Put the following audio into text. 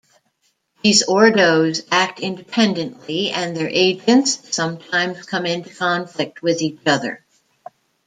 These Ordos act independently, and their agents sometimes come into conflict with each other.